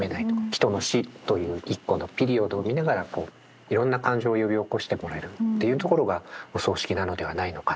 人の死という一個のピリオドを見ながらいろんな感情を呼び起こしてもらえるっていうところがお葬式なのではないのかな。